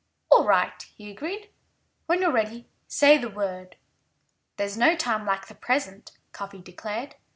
"All right!" he agreed. "When you're ready, say the word." "There's no time like the present," Cuffy declared.